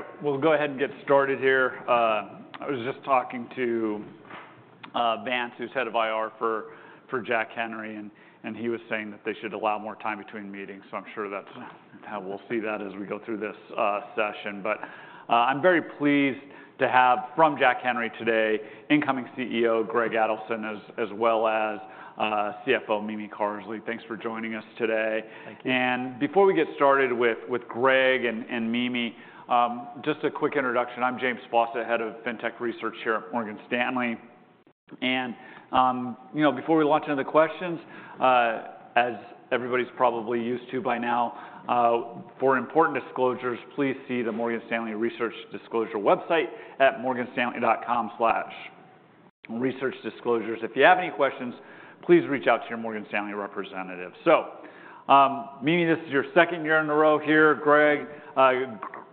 All right, we'll go ahead and get started here. I was just talking to Vance, who's head of IR for Jack Henry, and he was saying that they should allow more time between meetings, so I'm sure that's how we'll see that as we go through this session. But I'm very pleased to have from Jack Henry today, incoming CEO Greg Adelson, as well as CFO Mimi Carsley. Thanks for joining us today. Thank you. Before we get started with Greg and Mimi, just a quick introduction. I'm James Faucette, head of Fintech Research here at Morgan Stanley. You know, before we launch into the questions, as everybody's probably used to by now, for important disclosures, please see the Morgan Stanley Research Disclosure website at morganstanley.com/researchdisclosures. If you have any questions, please reach out to your Morgan Stanley representative. So, Mimi, this is your second year in a row here. Greg,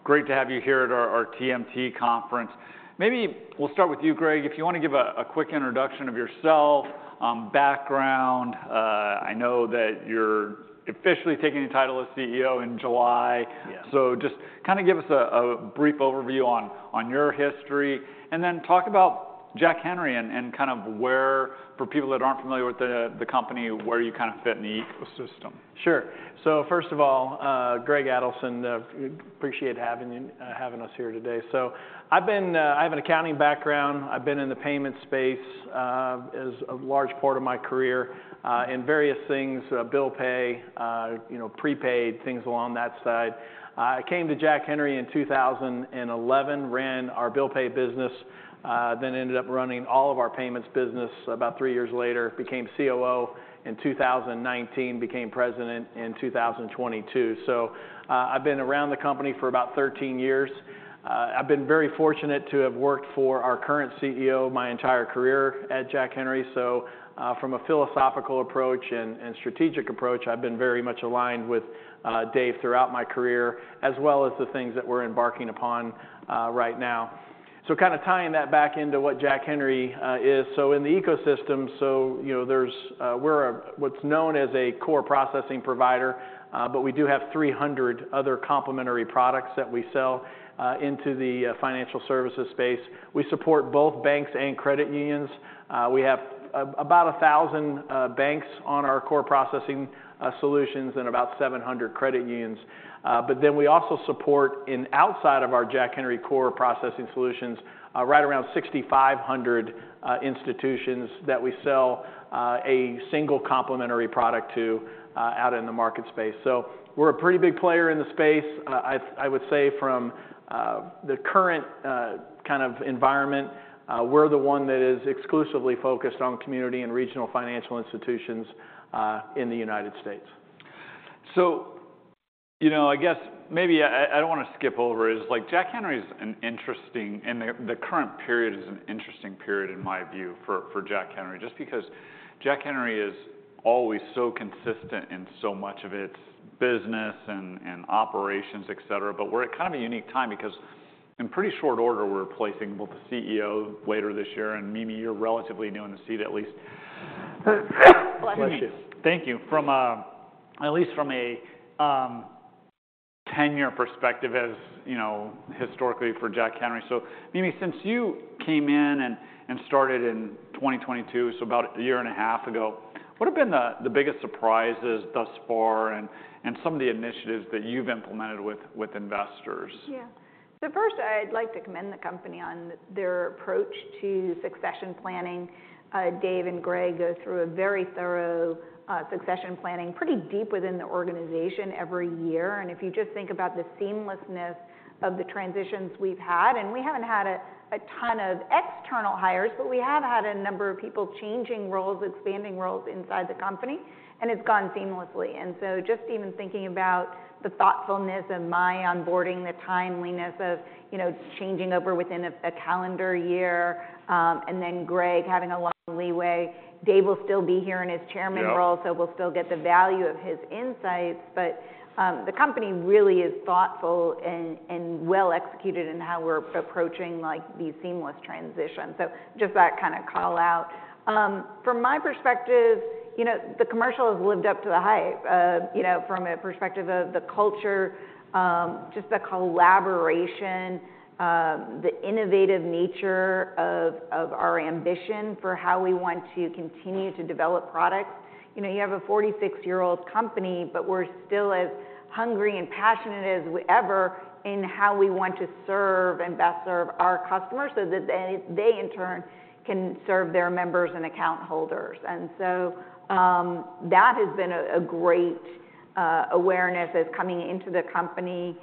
great to have you here at our TMT conference. Maybe we'll start with you, Greg. If you want to give a quick introduction of yourself, background. I know that you're officially taking the title of CEO in July. Yeah. So just kind of give us a brief overview on your history, and then talk about Jack Henry, and kind of where... For people that aren't familiar with the company, where you kind of fit in the ecosystem. Sure. So first of all, Greg Adelson, appreciate having us here today. So I have an accounting background. I've been in the payment space, as a large part of my career, in various things: bill pay, you know, prepaid, things along that side. I came to Jack Henry in 2011, ran our bill pay business, then ended up running all of our payments business. About three years later, became COO in 2019, became president in 2022. So, I've been around the company for about 13 years. I've been very fortunate to have worked for our current CEO my entire career at Jack Henry. So, from a philosophical approach and strategic approach, I've been very much aligned with Dave throughout my career, as well as the things that we're embarking upon right now. So kind of tying that back into what Jack Henry is. So in the ecosystem, so you know, there's we're a what's known as a core processing provider, but we do have 300 other complementary products that we sell into the financial services space. We support both banks and credit unions. We have about 1,000 banks on our core processing solutions and about 700 credit unions. But then we also support, in outside of our Jack Henry core processing solutions, right around 6,500 institutions that we sell a single complementary product to out in the market space. So we're a pretty big player in the space. I would say from the current kind of environment, we're the one that is exclusively focused on community and regional financial institutions in the United States. So, you know, I guess maybe I don't want to skip over is, like, Jack Henry is an interesting, and the current period is an interesting period in my view for Jack Henry, just because Jack Henry is always so consistent in so much of its business and operations, et cetera. But we're at kind of a unique time because in pretty short order, we're replacing both the CEO later this year, and, Mimi, you're relatively new in the seat, at least. Bless you. Thank you. From at least a tenure perspective, as you know, historically for Jack Henry. So, Mimi, since you came in and started in 2022, so about a year and a half ago, what have been the biggest surprises thus far and some of the initiatives that you've implemented with investors? Yeah. So first, I'd like to commend the company on their approach to succession planning. Dave and Greg go through a very thorough succession planning, pretty deep within the organization every year. And if you just think about the seamlessness of the transitions we've had, and we haven't had a ton of external hires, but we have had a number of people changing roles, expanding roles inside the company, and it's gone seamlessly. And so just even thinking about the thoughtfulness of my onboarding, the timeliness of, you know, changing over within a calendar year, and then Greg having a long leeway. Dave will still be here in his chairman role- Yeah... so we'll still get the value of his insights. But, the company really is thoughtful and well executed in how we're approaching, like, these seamless transitions. So just that kind of call out. From my perspective, you know, the commercial has lived up to the hype, you know, from a perspective of the culture, just the collaboration, the innovative nature of our ambition for how we want to continue to develop products. You know, you have a 46-year-old company, but we're still as hungry and passionate as ever in how we want to serve and best serve our customers so that they, they in turn, can serve their members and account holders. And so, that has been a great awareness as coming into the company.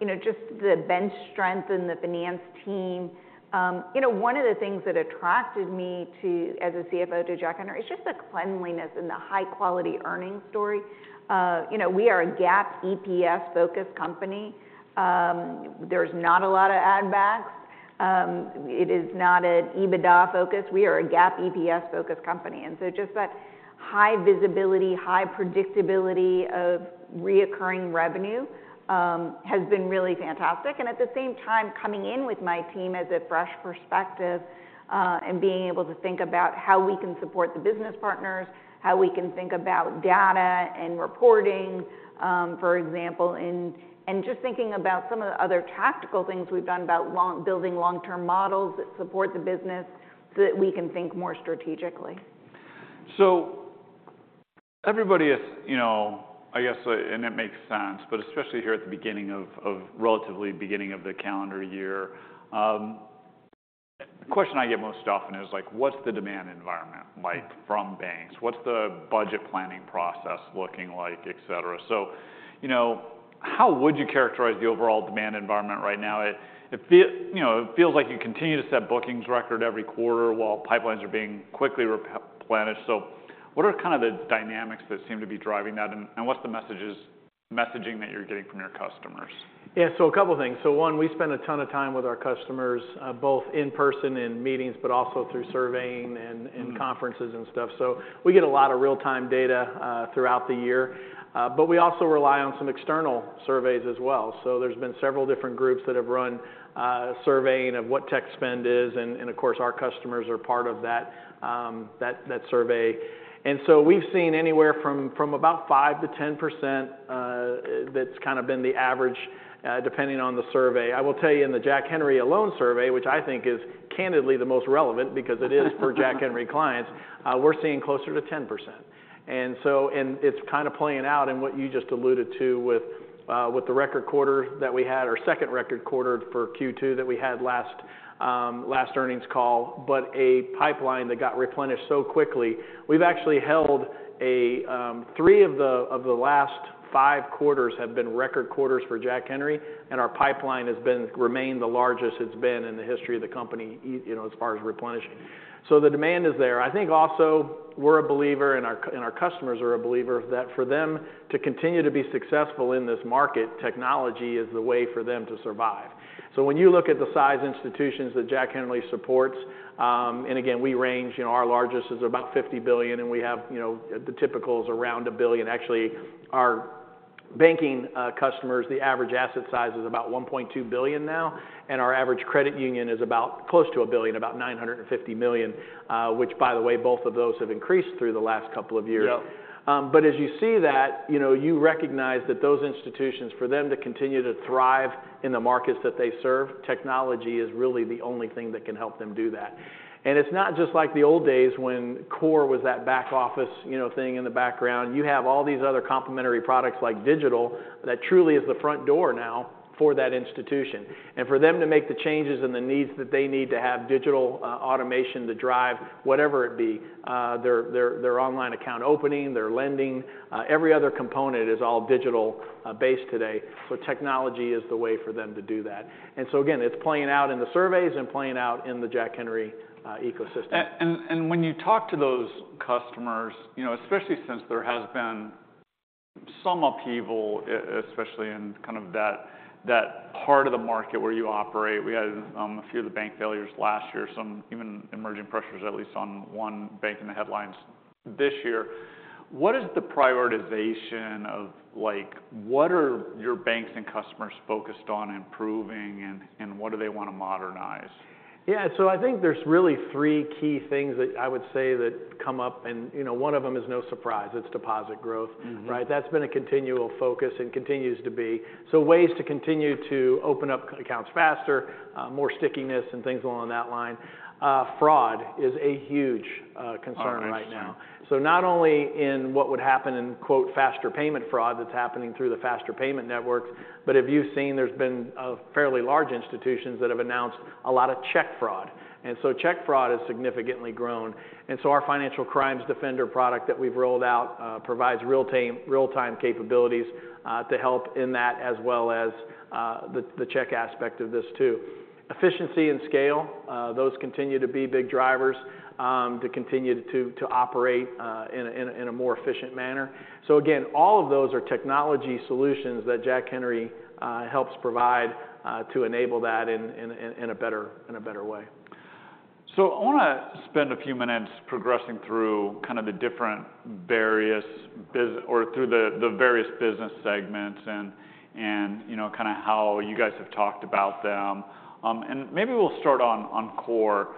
You know, just the bench strength in the finance team. You know, one of the things that attracted me to, as a CFO to Jack Henry, is just the cleanliness and the high-quality earnings story. You know, we are a GAAP EPS-focused company. There's not a lot of add backs. It is not an EBITDA focus. We are a GAAP EPS-focused company, and so just that high visibility, high predictability of recurring revenue has been really fantastic. And at the same time, coming in with my team as a fresh perspective, and being able to think about how we can support the business partners, how we can think about data and reporting, for example, and just thinking about some of the other tactical things we've done about building long-term models that support the business, so that we can think more strategically. So everybody is, you know, I guess, and it makes sense, but especially here at the beginning of the relatively beginning of the calendar year, the question I get most often is like: What's the demand environment like from banks? What's the budget planning process looking like, et cetera? So, you know, how would you characterize the overall demand environment right now? It feels like you continue to set bookings record every quarter, while pipelines are being quickly replenished. So what are kind of the dynamics that seem to be driving that, and what's the messaging that you're getting from your customers? Yeah, so a couple of things. So one, we spend a ton of time with our customers, both in person in meetings, but also through surveying and- Mm-hmm... and conferences and stuff. So we get a lot of real-time data throughout the year, but we also rely on some external surveys as well. So there's been several different groups that have run surveying of what tech spend is, and of course, our customers are part of that survey. And so we've seen anywhere from about 5%-10%, that's kind of been the average, depending on the survey. I will tell you, in the Jack Henry alone survey, which I think is candidly the most relevant, because it is for Jack Henry clients, we're seeing closer to 10%. And so... And it's kind of playing out in what you just alluded to with the record quarter that we had, our second record quarter for Q2 that we had last earnings call, but a pipeline that got replenished so quickly. We've actually had three of the last five quarters have been record quarters for Jack Henry, and our pipeline has remained the largest it's been in the history of the company, you know, as far as replenishing. So the demand is there. I think also we're a believer, and our customers are a believer, that for them to continue to be successful in this market, technology is the way for them to survive. So when you look at the size institutions that Jack Henry supports, and again, we range, you know, our largest is about $50 billion, and we have, you know, the typical is around $1 billion. Actually, our banking customers, the average asset size is about $1.2 billion now, and our average credit union is about close to $1 billion, about $950 million, which, by the way, both of those have increased through the last couple of years. Yep. But as you see that, you know, you recognize that those institutions, for them to continue to thrive in the markets that they serve, technology is really the only thing that can help them do that. And it's not just like the old days when core was that back office, you know, thing in the background. You have all these other complementary products, like digital, that truly is the front door now for that institution. And for them to make the changes and the needs that they need to have digital automation to drive whatever it be, their online account opening, their lending, every other component is all digital based today. So technology is the way for them to do that. And so again, it's playing out in the surveys and playing out in the Jack Henry ecosystem. When you talk to those customers, you know, especially since there has been some upheaval, especially in kind of that part of the market where you operate, we had a few of the bank failures last year, some even emerging pressures, at least on one bank in the headlines this year. What is the prioritization of... Like, what are your banks and customers focused on improving, and what do they want to modernize? Yeah. So I think there's really three key things that I would say that come up, and, you know, one of them is no surprise, it's deposit growth. Mm-hmm. Right? That's been a continual focus and continues to be, so ways to continue to open up accounts faster, more stickiness and things along that line. Fraud is a huge, Oh, absolutely... concern right now. So not only in what would happen in, quote, "faster payment fraud" that's happening through the faster payment networks, but if you've seen, there's been a fairly large institutions that have announced a lot of check fraud, and so check fraud has significantly grown. And so our Financial Crimes Defender product that we've rolled out provides real time, real-time capabilities to help in that, as well as the check aspect of this too. Efficiency and scale, those continue to be big drivers to continue to operate in a more efficient manner. So again, all of those are technology solutions that Jack Henry helps provide to enable that in a better way. So I want to spend a few minutes progressing through the various business segments and, you know, kind of how you guys have talked about them. And maybe we'll start on core.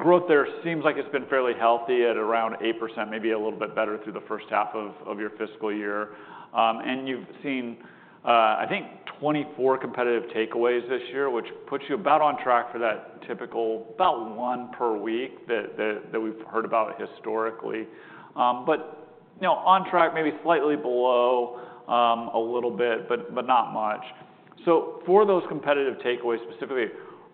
Growth there seems like it's been fairly healthy at around 8%, maybe a little bit better through the first half of your fiscal year. And you've seen, I think, 24 competitive takeaways this year, which puts you about on track for that typical, about one per week, that we've heard about historically. But, you know, on track, maybe slightly below, a little bit, but not much. So for those competitive takeaways specifically,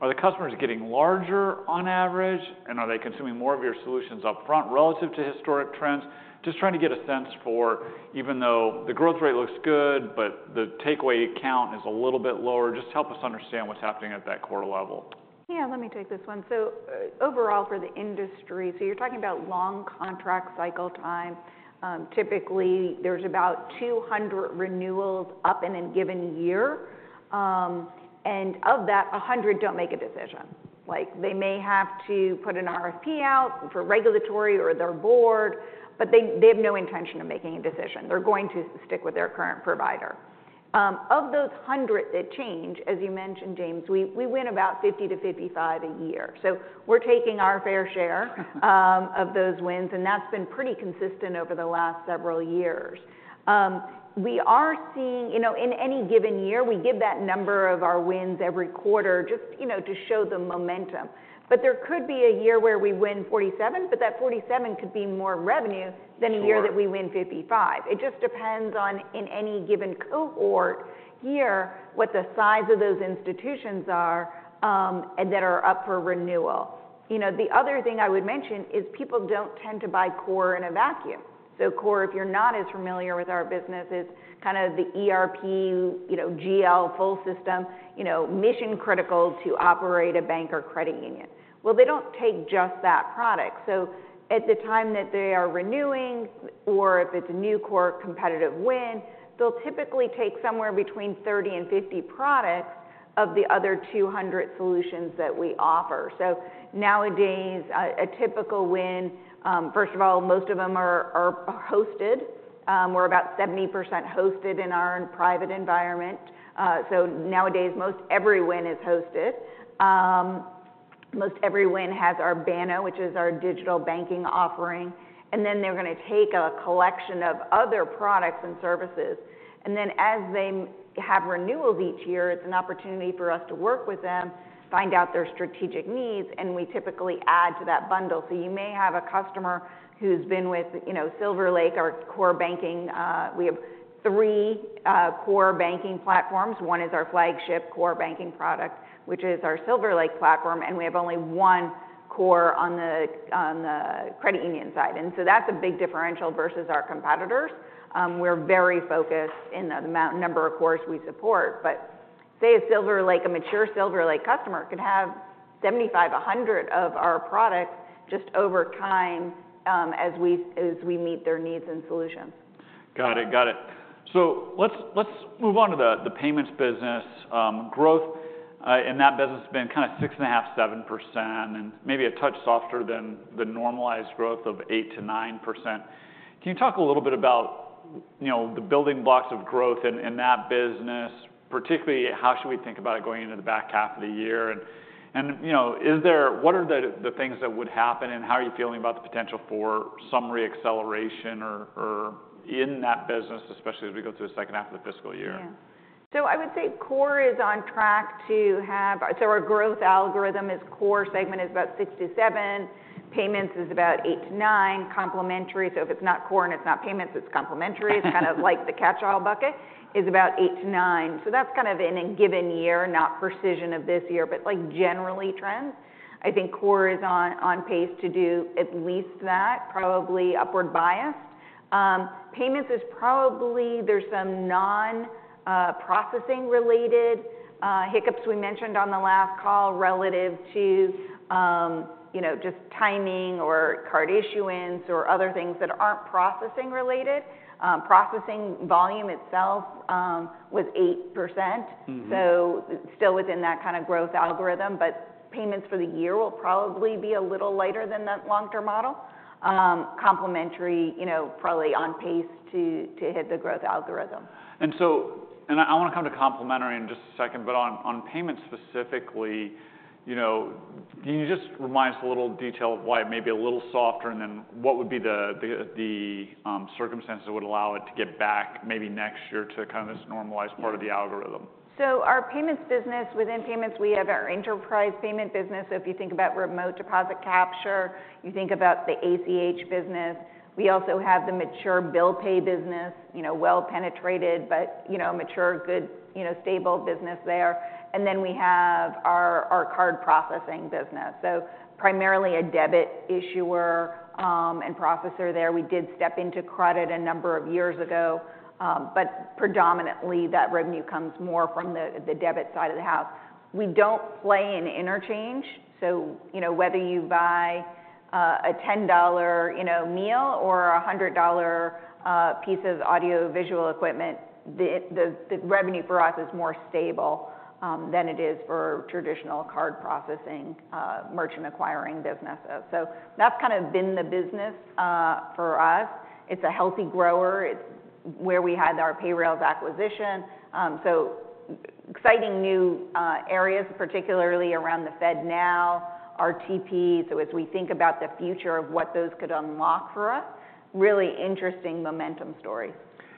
are the customers getting larger on average, and are they consuming more of your solutions upfront relative to historic trends? Just trying to get a sense for... Even though the growth rate looks good, but the takeaway count is a little bit lower. Just help us understand what's happening at that core level. Yeah, let me take this one. So, overall, for the industry, so you're talking about long contract cycle time. Typically, there's about 200 renewals up in a given year, and of that, 100 don't make a decision.... Like, they may have to put an RFP out for regulatory or their board, but they, they have no intention of making a decision. They're going to stick with their current provider. Of those 100 that change, as you mentioned, James, we, we win about 50-55 a year. So we're taking our fair share of those wins, and that's been pretty consistent over the last several years. We are seeing-- you know, in any given year, we give that number of our wins every quarter, just, you know, to show the momentum. But there could be a year where we win 47, but that 47 could be more revenue- Sure. than a year that we win 55. It just depends on, in any given cohort year, what the size of those institutions are, and that are up for renewal. You know, the other thing I would mention is people don't tend to buy core in a vacuum. So core, if you're not as familiar with our business, is kind of the ERP, you know, GL full system, you know, mission-critical to operate a bank or credit union. Well, they don't take just that product, so at the time that they are renewing or if it's a new core competitive win, they'll typically take somewhere between 30-50 products of the other 200 solutions that we offer. So nowadays, a typical win, first of all, most of them are hosted. We're about 70% hosted in our own private environment. So nowadays, most every win is hosted. Most every win has our Banno, which is our digital banking offering, and then they're gonna take a collection of other products and services. And then, as they have renewals each year, it's an opportunity for us to work with them, find out their strategic needs, and we typically add to that bundle. So you may have a customer who's been with, you know, SilverLake, our core banking. We have three core banking platforms. One is our flagship core banking product, which is our SilverLake platform, and we have only one core on the credit union side. And so that's a big differential versus our competitors. We're very focused in the amount, number of cores we support. But say a SilverLake, a mature SilverLake customer could have 75, 100 of our products just over time, as we meet their needs and solutions. Got it. Got it. So let's move on to the payments business. Growth in that business has been kind of 6.5%-7%, and maybe a touch softer than the normalized growth of 8%-9%. Can you talk a little bit about, you know, the building blocks of growth in that business? Particularly, how should we think about it going into the back half of the year, and, you know, is there—what are the things that would happen, and how are you feeling about the potential for some re-acceleration or in that business, especially as we go through the second half of the fiscal year? Yeah. So I would say core is on track to have... So our growth algorithm is core segment is about 6-7, payments is about 8-9, complementary, so if it's not core and it's not payments, it's complementary—it's kind of like the catch-all bucket, is about 8-9. So that's kind of in a given year, not precision of this year, but, like, generally trends. I think core is on pace to do at least that, probably upward bias. Payments is probably there's some non-processing-related hiccups we mentioned on the last call relative to, you know, just timing or card issuance or other things that aren't processing related. Processing volume itself was 8%. Mm-hmm. So still within that kind of growth algorithm, but payments for the year will probably be a little lighter than the long-term model. Complementary, you know, probably on pace to hit the growth algorithm. So, I wanna come to complementary in just a second, but on payments specifically, you know, can you just remind us a little detail of why it may be a little softer? And then what would be the circumstances that would allow it to get back maybe next year to kind of this normalized part of the algorithm? So our payments business, within payments, we have our enterprise payment business. So if you think about remote deposit capture, you think about the ACH business. We also have the mature bill pay business, you know, well penetrated, but, you know, mature, good, you know, stable business there. And then we have our, our card processing business, so primarily a debit issuer, and processor there. We did step into credit a number of years ago, but predominantly, that revenue comes more from the, the debit side of the house. We don't play in interchange, so, you know, whether you buy, a $10, you know, meal or a $100, piece of audio-visual equipment, the revenue for us is more stable, than it is for traditional card processing, merchant acquiring businesses. So that's kind of been the business, for us. It's a healthy grower. It's where we had our Payrailz acquisition, so exciting new areas, particularly around the FedNow, RTP. So as we think about the future of what those could unlock for us, really interesting momentum stories.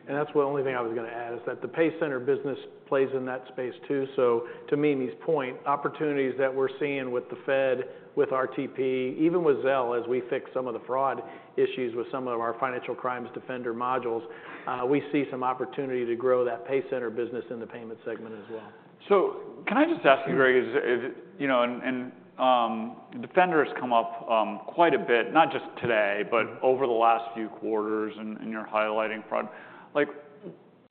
That's the only thing I was gonna add is that the PayCenter business plays in that space too. So to Mimi's point, opportunities that we're seeing with the Fed, with RTP, even with Zelle, as we fix some of the fraud issues with some of our Financial Crimes Defender modules, we see some opportunity to grow that PayCenter business in the payment segment as well. So can I just ask you, Greg, you know, Defender has come up quite a bit, not just today- Mm-hmm. But over the last few quarters, and you're highlighting fraud. Like,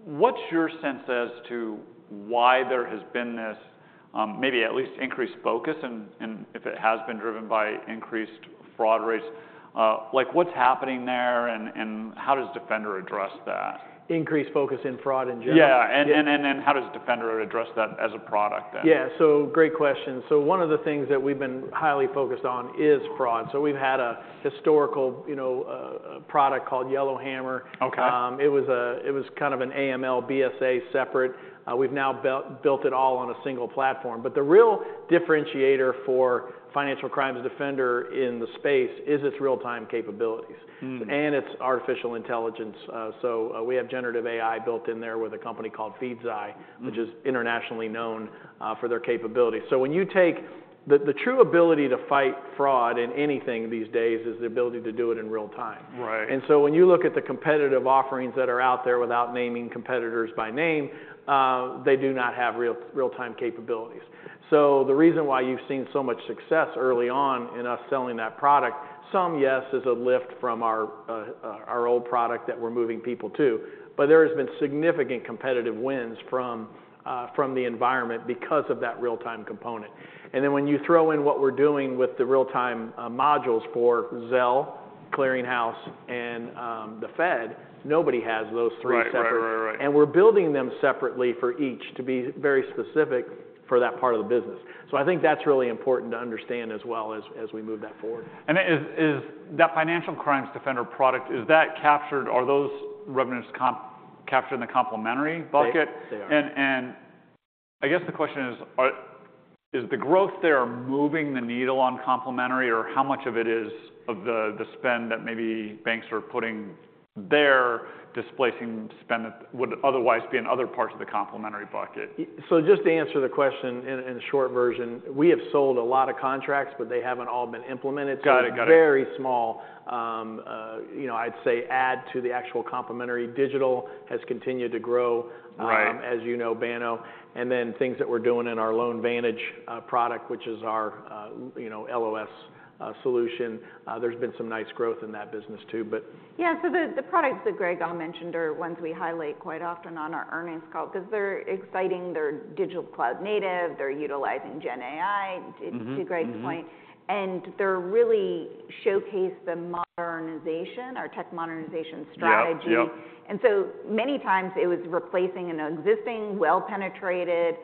what's your sense as to why there has been this maybe at least increased focus, and if it has been driven by increased fraud rates, like what's happening there, and how does Defender address that? Increased focus in fraud in general? Yeah. Yeah. And then how does Defender address that as a product then? Yeah, so great question. So one of the things that we've been highly focused on is fraud. So we've had a historical, you know, product called Yellowhammer. Okay. It was kind of an AML BSA separate. We've now built it all on a single platform. But the real differentiator for Financial Crimes Defender in the space is its real-time capabilities- Mm. -and its artificial intelligence. We have generative AI built in there with a company called Feedzai- Mm... which is internationally known for their capabilities. So when you take the true ability to fight fraud in anything these days is the ability to do it in real time. Right. When you look at the competitive offerings that are out there, without naming competitors by name, they do not have real, real-time capabilities. The reason why you've seen so much success early on in us selling that product, some, yes, is a lift from our, our old product that we're moving people to, but there has been significant competitive wins from, from the environment because of that real-time component. Then when you throw in what we're doing with the real-time, modules for Zelle, Clearing House, and, the Fed, nobody has those three separate. Right. Right, right, right, right. We're building them separately for each to be very specific for that part of the business. So I think that's really important to understand as well as we move that forward. Is that Financial Crimes Defender product captured—are those revenues captured in the complementary bucket? They, they are. I guess the question is, is the growth there moving the needle on complementary, or how much of it is of the, the spend that maybe banks are putting there, displacing spend that would otherwise be in other parts of the complementary bucket? So just to answer the question in the short version, we have sold a lot of contracts, but they haven't all been implemented. Got it. Got it. So very small, you know, I'd say add to the actual complementary. Digital has continued to grow- Right... as you know, Banno, and then things that we're doing in our LoanVantage product, which is our, you know, LOS solution, there's been some nice growth in that business too, but- Yeah. So the products that Greg all mentioned are ones we highlight quite often on our earnings call because they're exciting, they're digital cloud native, they're utilizing Gen AI- Mm-hmm, mm-hmm... to Greg's point, and they really showcase the modernization, our tech modernization strategy. Yep, yep. And so many times it was replacing an existing, well-penetrated,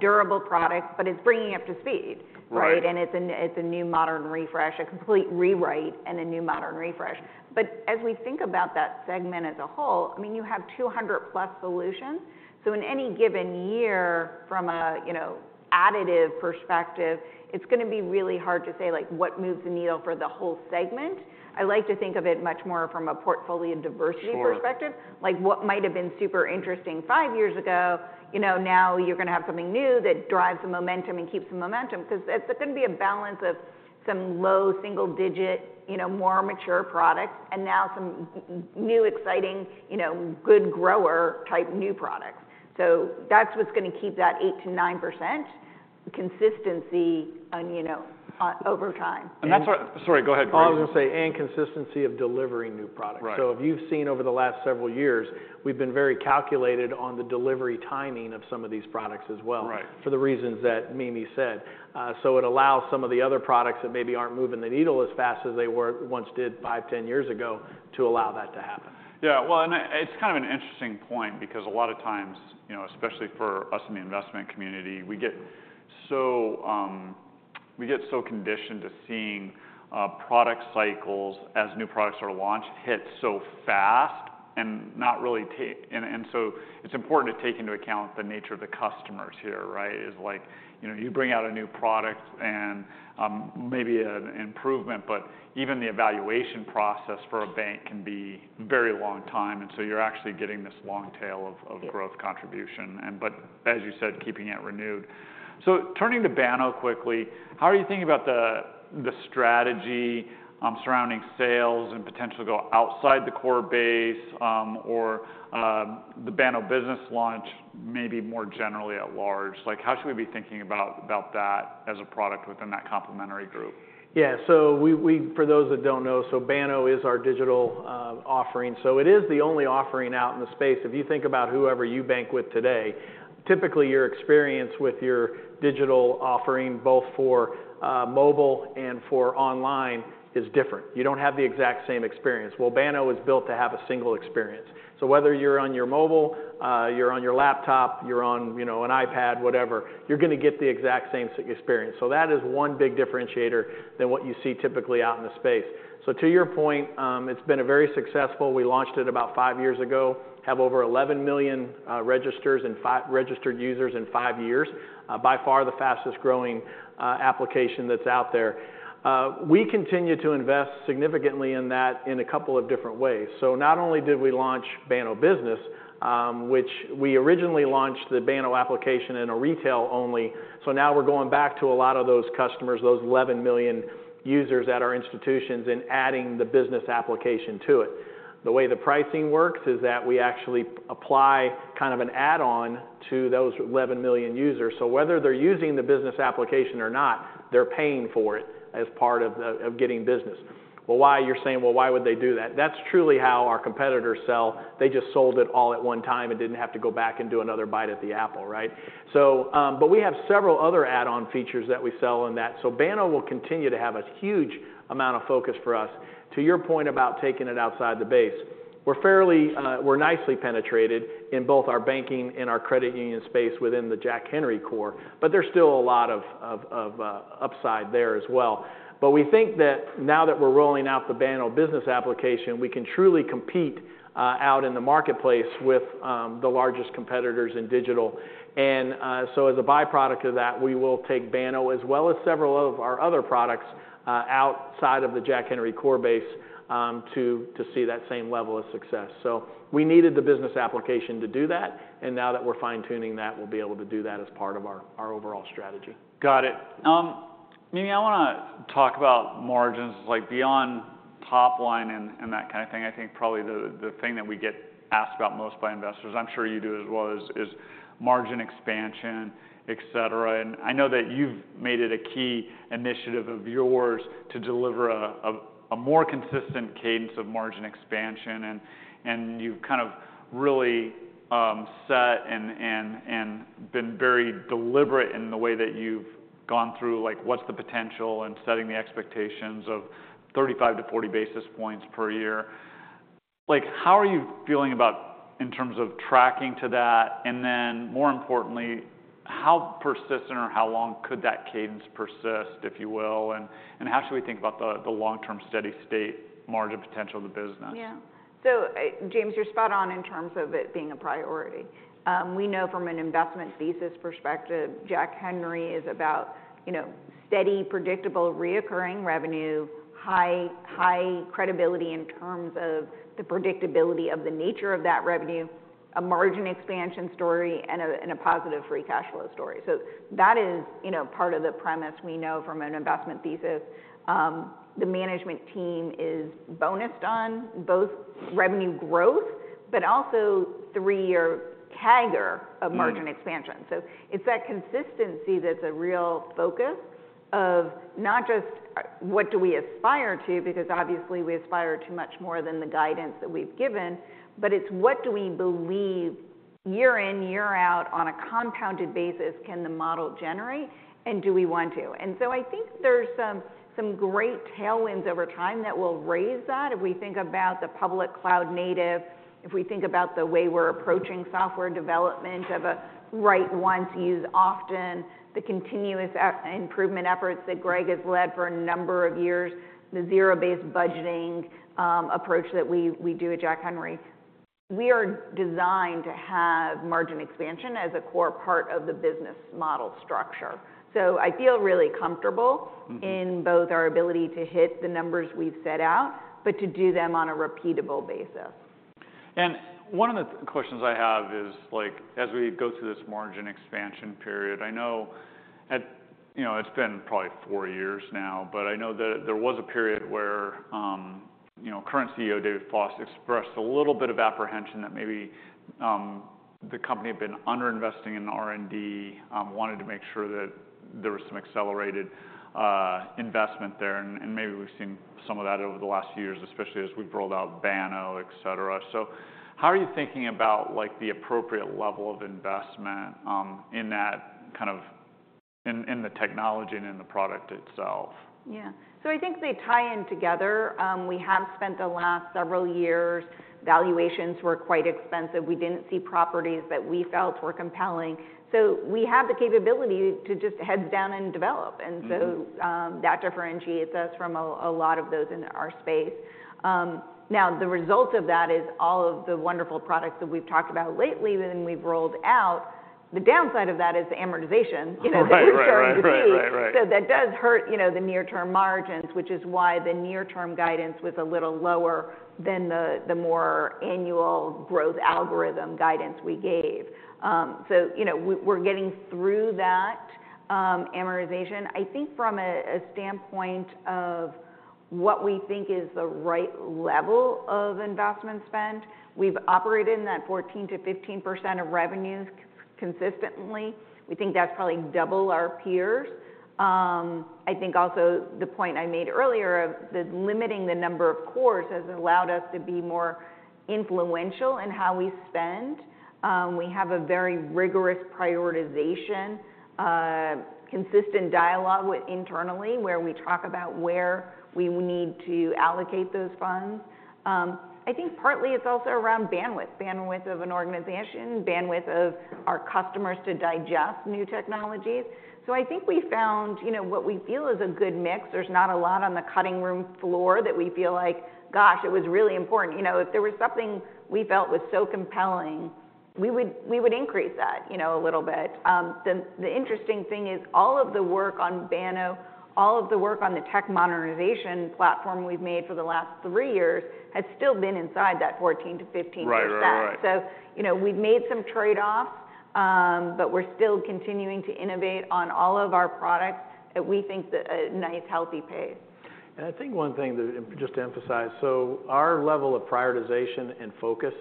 durable product, but it's bringing up to speed, right? Right. And it's a new modern refresh, a complete rewrite and a new modern refresh. But as we think about that segment as a whole, I mean, you have 200+ solutions. So in any given year, from a, you know, additive perspective, it's going to be really hard to say, like, what moves the needle for the whole segment. I like to think of it much more from a portfolio diversity perspective. Sure. Like, what might have been super interesting five years ago, you know, now you're going to have something new that drives the momentum and keeps the momentum because it's, it's going to be a balance of some low single digit, you know, more mature products and now some new exciting, you know, good grower type, new products. So that's what's going to keep that 8%-9% consistency on, you know, over time. And that's what- sorry, go ahead, Greg. I was going to say, and consistency of delivering new products. Right. So if you've seen over the last several years, we've been very calculated on the delivery timing of some of these products as well- Right... for the reasons that Mimi said. So it allows some of the other products that maybe aren't moving the needle as fast as they once did, five, 10 years ago, to allow that to happen. Yeah, well, and it's kind of an interesting point because a lot of times, you know, especially for us in the investment community, we get so conditioned to seeing product cycles as new products are launched hit so fast and not really and so it's important to take into account the nature of the customers here, right? It's like, you know, you bring out a new product and maybe an improvement, but even the evaluation process for a bank can be very long time, and so you're actually getting this long tail of- Yeah... of growth contribution and but as you said, keeping it renewed. So turning to Banno quickly, how are you thinking about the strategy surrounding sales and potentially go outside the core base, or the Banno business launch, maybe more generally at large? Like, how should we be thinking about that as a product within that complementary group? Yeah. So we—for those that don't know, so Banno is our digital offering. So it is the only offering out in the space. If you think about whoever you bank with today, typically, your experience with your digital offering, both for mobile and for online, is different. You don't have the exact same experience. Well, Banno is built to have a single experience. So whether you're on your mobile, you're on your laptop, you're on, you know, an iPad, whatever, you're going to get the exact same experience. So that is one big differentiator than what you see typically out in the space. So to your point, it's been a very successful... We launched it about five years ago, have over 11 million registered users in five years. By far, the fastest growing application that's out there. We continue to invest significantly in that in a couple of different ways. So not only did we launch Banno Business, which we originally launched the Banno application in a retail only, so now we're going back to a lot of those customers, those 11 million users at our institutions, and adding the business application to it. The way the pricing works is that we actually apply kind of an add-on to those 11 million users. So whether they're using the business application or not, they're paying for it as part of the- of getting business. Well, why? You're saying, "Well, why would they do that?" That's truly how our competitors sell. They just sold it all at one time and didn't have to go back and do another bite at the apple, right? So, but we have several other add-on features that we sell on that. So Banno will continue to have a huge amount of focus for us. To your point about taking it outside the base, we're fairly, we're nicely penetrated in both our banking and our credit union space within the Jack Henry core, but there's still a lot of upside there as well. But we think that now that we're rolling out the Banno business application, we can truly compete out in the marketplace with the largest competitors in digital. And so as a byproduct of that, we will take Banno, as well as several of our other products, outside of the Jack Henry core base, to see that same level of success. So we needed the business application to do that, and now that we're fine-tuning that, we'll be able to do that as part of our overall strategy. Got it. Mimi, I wanna talk about margins, like beyond top line and that kind of thing. I think probably the thing that we get asked about most by investors, I'm sure you do as well, is margin expansion, et cetera. And I know that you've made it a key initiative of yours to deliver a more consistent cadence of margin expansion. And you've kind of really set and been very deliberate in the way that you've gone through, like, what's the potential and setting the expectations of 35-40 basis points per year. Like, how are you feeling about in terms of tracking to that? And then, more importantly, how persistent or how long could that cadence persist, if you will? And how should we think about the long-term steady state margin potential of the business? Yeah. So, James, you're spot on in terms of it being a priority. We know from an investment thesis perspective, Jack Henry is about, you know, steady, predictable, recurring revenue, high, high credibility in terms of the predictability of the nature of that revenue, a margin expansion story, and a, and a positive free cash flow story. So that is, you know, part of the premise we know from an investment thesis. The management team is bonused on both revenue growth, but also three-year CAGR- Mm-hmm... of margin expansion. So it's that consistency that's a real focus of not just what do we aspire to, because obviously we aspire to much more than the guidance that we've given, but it's what do we believe year in, year out on a compounded basis, can the model generate, and do we want to? And so I think there's some, some great tailwinds over time that will raise that. If we think about the public cloud native, if we think about the way we're approaching software development of a write once to use often, the continuous improvement efforts that Greg has led for a number of years, the zero-based budgeting approach that we, we do at Jack Henry. We are designed to have margin expansion as a core part of the business model structure. So I feel really comfortable- Mm-hmm... in both our ability to hit the numbers we've set out, but to do them on a repeatable basis. One of the questions I have is, like, as we go through this margin expansion period, I know you know, it's been probably four years now, but I know that there was a period where, you know, current CEO David Foss expressed a little bit of apprehension that maybe the company had been underinvesting in R&D, wanted to make sure that there was some accelerated investment there. And maybe we've seen some of that over the last few years, especially as we've rolled out Banno, et cetera. So how are you thinking about, like, the appropriate level of investment in that kind of... In the technology and in the product itself? Yeah. So I think they tie in together. We have spent the last several years. Valuations were quite expensive. We didn't see properties that we felt were compelling, so we had the capability to just heads down and develop. Mm-hmm. And so, that differentiates us from a lot of those in our space. Now, the result of that is all of the wonderful products that we've talked about lately, then we've rolled out. The downside of that is amortization, you know- Right. Right, right, right.... so that does hurt, you know, the near-term margins, which is why the near-term guidance was a little lower than the more annual growth algorithm guidance we gave. So, you know, we're getting through that. Amortization, I think from a standpoint of what we think is the right level of investment spend, we've operated in that 14%-15% of revenues consistently. We think that's probably double our peers. I think also the point I made earlier of limiting the number of cores has allowed us to be more influential in how we spend. We have a very rigorous prioritization, consistent dialogue internally, where we talk about where we would need to allocate those funds. I think partly it's also around bandwidth, bandwidth of an organization, bandwidth of our customers to digest new technologies. So I think we found, you know, what we feel is a good mix. There's not a lot on the cutting room floor that we feel like, gosh, it was really important. You know, if there was something we felt was so compelling, we would increase that, you know, a little bit. The interesting thing is all of the work on Banno, all of the work on the tech modernization platform we've made for the last three years, has still been inside that 14%-15%. Right, right, right. So, you know, we've made some trade-offs, but we're still continuing to innovate on all of our products at, we think, a nice, healthy pace. I think one thing that, just to emphasize, so our level of prioritization and focus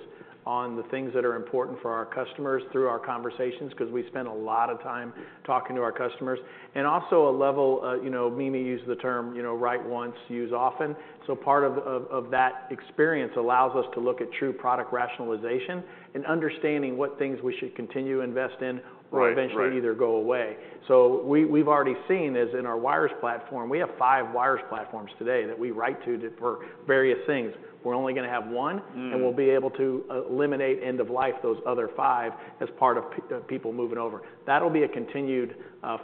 on the things that are important for our customers through our conversations, because we spend a lot of time talking to our customers, and also a level, you know, Mimi used the term, you know, write once, use often. So part of that experience allows us to look at true product rationalization and understanding what things we should continue to invest in. Right. Right. —or eventually either go away. So we, we've already seen, as in our wires platform, we have five wires platforms today that we write to for various things. We're only gonna have one— Mm. and we'll be able to eliminate end of life, those other five, as part of people moving over. That'll be a continued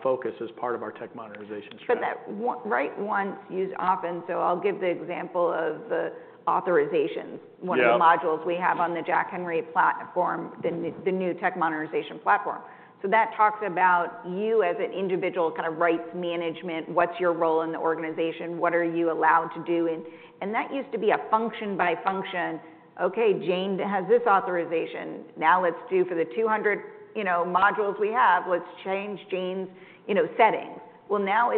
focus as part of our tech modernization strategy. But that write once, use often, so I'll give the example of the authorizations- Yeah One of the modules we have on the Jack Henry platform, the new tech modernization platform. So that talks about you as an individual, kind of rights management, what's your role in the organization? What are you allowed to do? And that used to be a function by function. Okay, Jane has this authorization. Now let's do for the 200, you know, modules we have, let's change Jane's, you know, settings. Well, now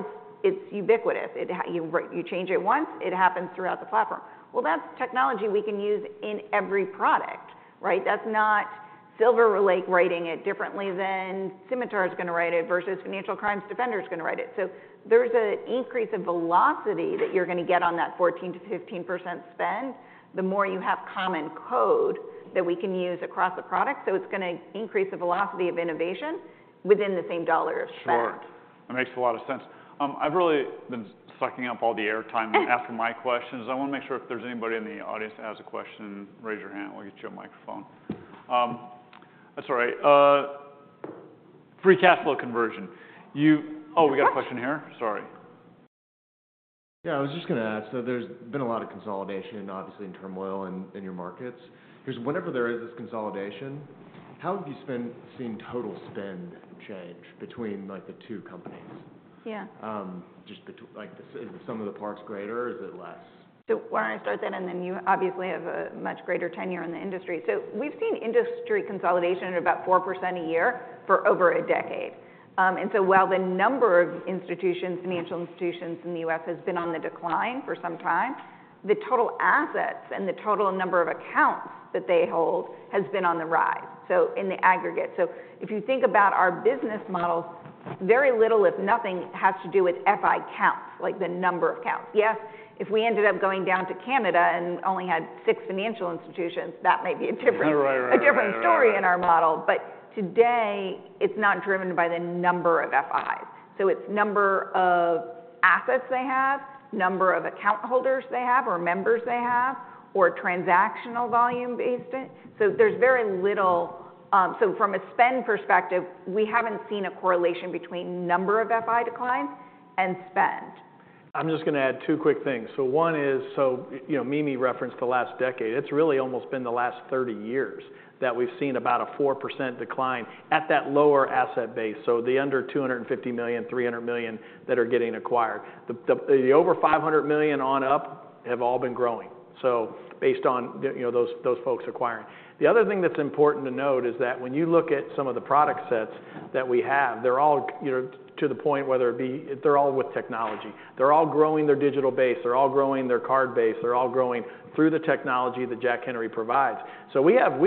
it's ubiquitous. You change it once, it happens throughout the platform. Well, that's technology we can use in every product, right? That's not SilverLake writing it differently than Symitar is gonna write it, versus Financial Crimes Defender is gonna write it. So there's an increase of velocity that you're gonna get on that 14%-15% spend, the more you have common code that we can use across the product. So it's gonna increase the velocity of innovation within the same dollar spend. Sure. It makes a lot of sense. I've really been sucking up all the air time and asking my questions. I want to make sure if there's anybody in the audience that has a question, raise your hand. We'll get you a microphone. That's all right. Free cash flow conversion. You- Yes. Oh, we got a question here. Sorry. Yeah, I was just gonna ask, so there's been a lot of consolidation, obviously, in turmoil in your markets. Because whenever there is this consolidation, how have you seen total spend change between, like, the two companies? Yeah. Just like, the, is some of the parts greater, or is it less? So why don't I start that, and then you obviously have a much greater tenure in the industry. So we've seen industry consolidation at about 4% a year for over a decade. And so while the number of institutions, financial institutions in the U.S. has been on the decline for some time, the total assets and the total number of accounts that they hold has been on the rise, so in the aggregate. So if you think about our business model, very little, if nothing, has to do with FI counts, like the number of counts. Yes, if we ended up going down to Canada and only had six financial institutions, that may be a different- Right, right, right.... a different story in our model. But today, it's not driven by the number of FIs. So it's number of assets they have, number of account holders they have, or members they have, or transactional volume based it. So there's very little... So from a spend perspective, we haven't seen a correlation between number of FI declines and spend. I'm just gonna add two quick things. So one is, so, you know, Mimi referenced the last decade. It's really almost been the last 30 years that we've seen about a 4% decline at that lower asset base, so the under $250 million, $300 million that are getting acquired. The over $500 million on up have all been growing, so based on the, you know, those, those folks acquiring. The other thing that's important to note is that when you look at some of the product sets that we have, they're all, you know, to the point, whether it be-- they're all with technology. They're all growing their digital base, they're all growing their card base, they're all growing through the technology that Jack Henry provides. So we have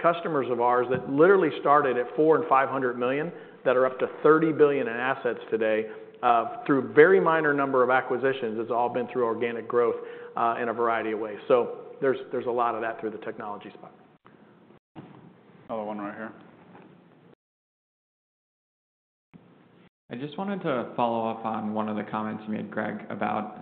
customers of ours that literally started at $400 million and $500 million, that are up to $30 billion in assets today, through very minor number of acquisitions. It's all been through organic growth, in a variety of ways. So there's a lot of that through the technology spot. Another one right here. I just wanted to follow up on one of the comments you made, Greg, about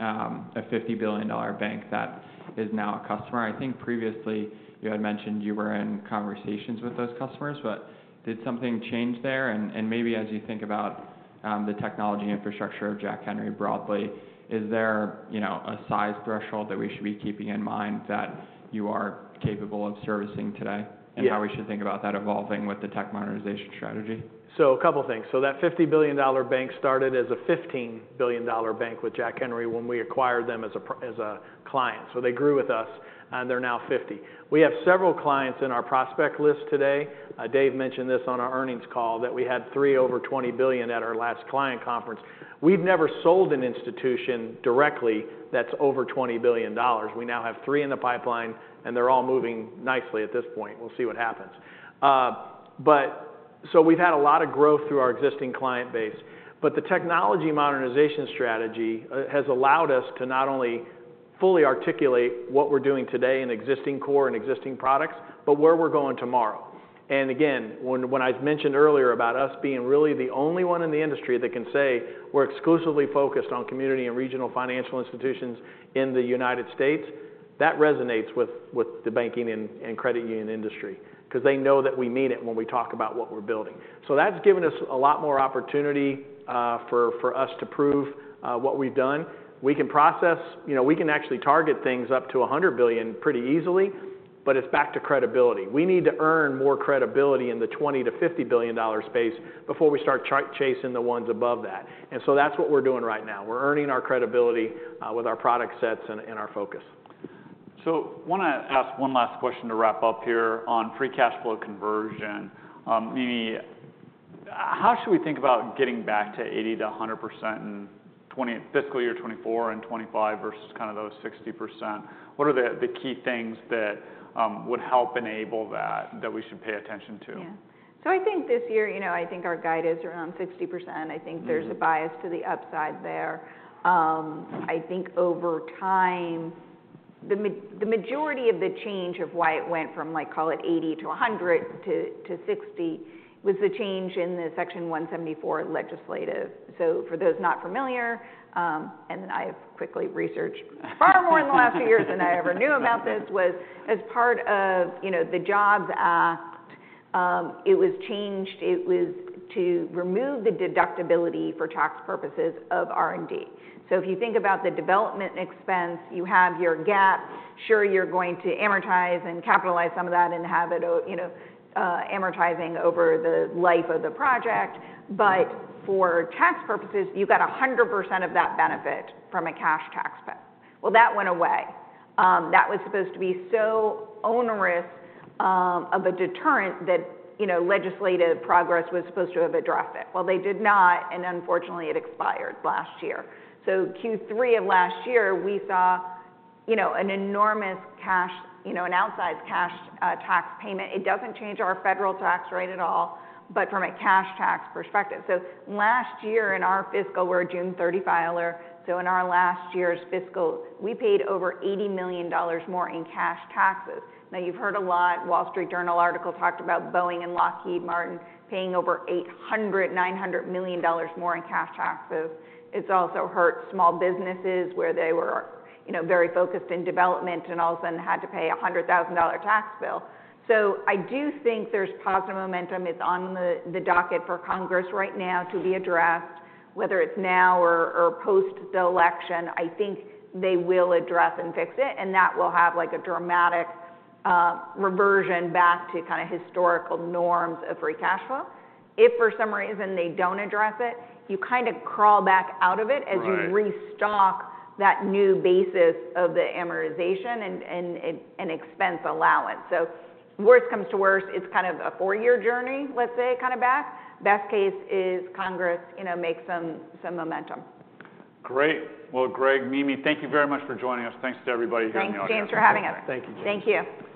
a $50 billion bank that is now a customer. I think previously, you had mentioned you were in conversations with those customers, but did something change there? And maybe as you think about the technology infrastructure of Jack Henry broadly, is there, you know, a size threshold that we should be keeping in mind that you are capable of servicing today? Yeah. How we should think about that evolving with the tech modernization strategy? So a couple things. So that $50 billion bank started as a $15 billion bank with Jack Henry when we acquired them as a client. So they grew with us, and they're now $50 billion. We have several clients in our prospect list today. Dave mentioned this on our earnings call, that we had three over $20 billion at our last client conference. We've never sold an institution directly that's over $20 billion. We now have three in the pipeline, and they're all moving nicely at this point. We'll see what happens. So we've had a lot of growth through our existing client base, but the technology modernization strategy has allowed us to not only fully articulate what we're doing today in existing core and existing products, but where we're going tomorrow. And again, when I mentioned earlier about us being really the only one in the industry that can say we're exclusively focused on community and regional financial institutions in the United States, that resonates with the banking and credit union industry, because they know that we mean it when we talk about what we're building. So that's given us a lot more opportunity for us to prove what we've done. We can process, you know, we can actually target things up to $100 billion pretty easily, but it's back to credibility. We need to earn more credibility in the $20 billion-$50 billion dollar space before we start chasing the ones above that. And so that's what we're doing right now. We're earning our credibility with our product sets and our focus. So want to ask one last question to wrap up here on free cash flow conversion. Mimi, how should we think about getting back to 80%-100% in fiscal year 2024 and 2025 versus kind of those 60%? What are the key things that would help enable that that we should pay attention to? Yeah. So I think this year, you know, I think our guide is around 60%. Mm-hmm. I think there's a bias to the upside there. I think over time, the majority of the change of why it went from, like, call it 80 to 100 to 60, was the change in the Section 174 legislation. So for those not familiar, and then I've quickly researched far more in the last few years than I ever knew about this, was as part of, you know, the Jobs Act, it was changed. It was to remove the deductibility for tax purposes of R&D. So if you think about the development expense, you have your GAAP. Sure, you're going to amortize and capitalize some of that and have it, you know, amortizing over the life of the project, but for tax purposes, you got 100% of that benefit from a cash tax bill. Well, that went away. That was supposed to be so onerous of a deterrent that, you know, legislative progress was supposed to have addressed it. Well, they did not, and unfortunately, it expired last year. So Q3 of last year, we saw, you know, an enormous cash. You know, an outsized cash tax payment. It doesn't change our federal tax rate at all, but from a cash tax perspective. So last year in our fiscal, we're a June 30 filer, so in our last year's fiscal, we paid over $80 million more in cash taxes. Now, you've heard a lot, Wall Street Journal article talked about Boeing and Lockheed Martin paying over $800-$900 million more in cash taxes. It's also hurt small businesses where they were, you know, very focused in development, and all of a sudden had to pay a $100,000 tax bill. So I do think there's positive momentum. It's on the docket for Congress right now to be addressed, whether it's now or post the election, I think they will address and fix it, and that will have, like, a dramatic reversion back to kind of historical norms of free cash flow. If for some reason they don't address it, you kind of crawl back out of it- Right... as you restock that new basis of the amortization and expense allowance. So worst comes to worst, it's kind of a four-year journey, let's say, kind of back. Best case is Congress, you know, makes some momentum. Great! Well, Greg, Mimi, thank you very much for joining us. Thanks to everybody here in the audience. Thanks, James, for having us. Thank you. Thank you.